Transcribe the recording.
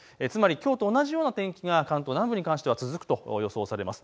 つまりきょうと同じような天気が関東南部に関しては続くと予想されます。